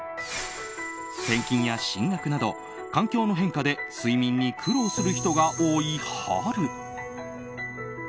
転勤や進学など環境の変化で睡眠に苦労する人が多い春。